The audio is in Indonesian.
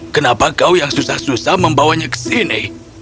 kenapa kau yang susah susah membawanya ke sini